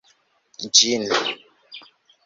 ĝin